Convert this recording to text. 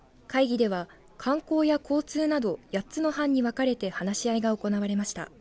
会議では、観光や交通など８つの班に分かれて話し合いが行われました。